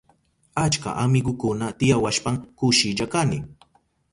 Achka amigukuna tiyawashpan kushilla kani.